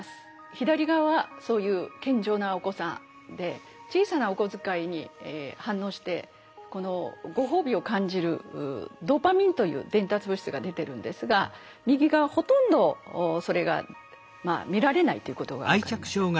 左側はそういう健常なお子さんで小さなお小遣いに反応してこのご褒美を感じるドーパミンという伝達物質が出てるんですが右側ほとんどそれが見られないということが分かりました。